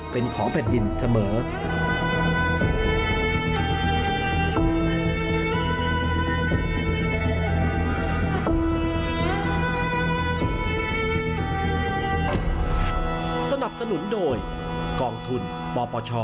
เป็นของแผ่นดินเสมอ